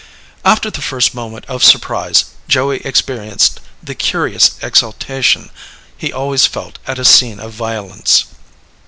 After the first moment of surprise, Joey experienced the curious exaltation he always felt at a scene of violence.